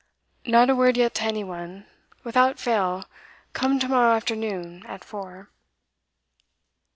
'Not a word yet to any one. Without fail, come to morrow afternoon, at four.